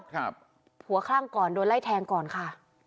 ผัวคลั่งก่อนโดนไล่แทงก่อนค่ะ